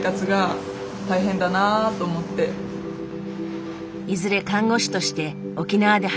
いずれ看護師として沖縄で働くつもり。